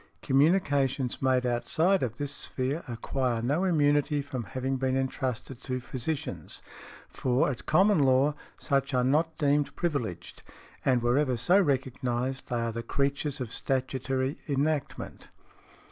Communications made outside of this sphere acquire no immunity from having been entrusted to physicians, for at common law such are not deemed privileged, and wherever so recognized they are the creatures of statutory enactment .